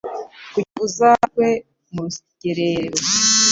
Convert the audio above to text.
kugira ngo uzagwe mu rugerero